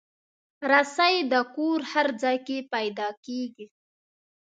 رسۍ د کور هر ځای کې پیدا کېږي.